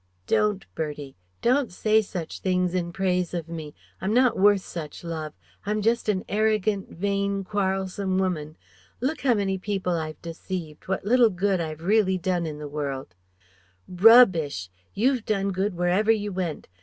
"Don't, Bertie! Don't say such things in praise of me. I'm not worth such love. I'm just an arrogant, vain, quarrelsome woman.... Look how many people I've deceived, what little good I've really done in the world " "Rub bish! You done good wherever you went